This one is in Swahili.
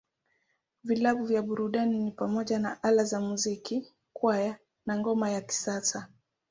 Vilabu vya burudani ni pamoja na Ala za Muziki, Kwaya, na Ngoma ya Kisasa.